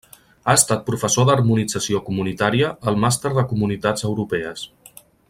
Ha estat professor d'harmonització Comunitària al Màster de Comunitats Europees.